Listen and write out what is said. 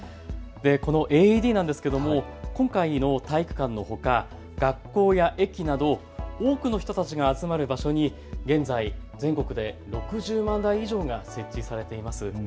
このＡＥＤなんですけれども今回の体育館のほか学校や駅など多くの人たちが集まる場所に現在、全国で６０万台以上が設置されています。